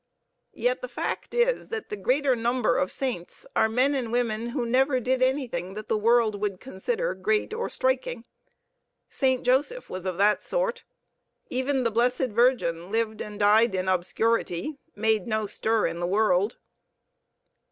Yet the fact is that the greater number of saints are men and women who never did anything that the world would consider great or striking. Saint Joseph was of that sort. Even the Blessed Virgin lived and died in obscurity, made no stir in the world.